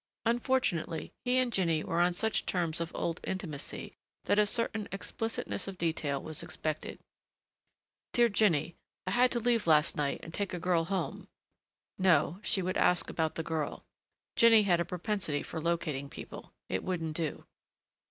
Unfortunately, he and Jinny were on such terms of old intimacy that a certain explicitness of detail was expected. "Dear Jinny I had to leave last night and take a girl home " No, she would ask about the girl. Jinny had a propensity for locating people. It wouldn't do.